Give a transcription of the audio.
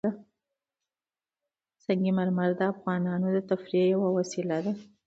سنگ مرمر د افغانانو د تفریح یوه وسیله ده.